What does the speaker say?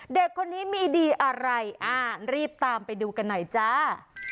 เด็กคนนี้มีดีอะไรอ่ารีบตามไปดูกันหน่อยจ้า